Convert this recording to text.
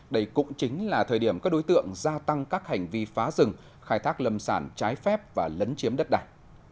đây cũng chính là thời điểm các đối tượng gia tăng các hành vi phá rừng khai thác lâm sản trái phép và lấn chiếm đất đài